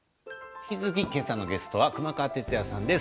引き続き今朝のゲストは熊川哲也さんです。